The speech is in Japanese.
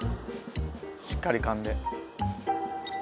しっかりかんで。